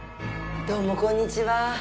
どうも、こんにちは。